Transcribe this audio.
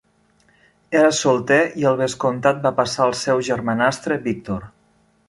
Era solter i el vescomtat va passar al seu germanastre Victor.